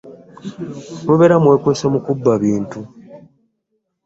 Mubeera mwekwese mu kubba bintu.